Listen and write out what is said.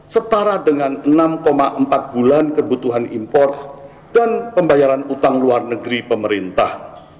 setara dengan enam empat bulan kebutuhan import dan pembayaran utang luar negeri pemerintah